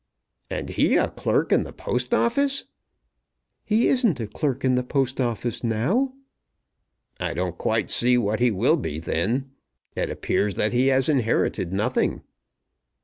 "And he a clerk in the Post Office?" "He isn't a clerk in the Post Office now." "I don't quite see what he will be then. It appears that he has inherited nothing."